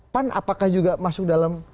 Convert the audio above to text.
pan apakah juga masuk dalam